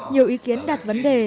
nhiều ý kiến đặt vấn đề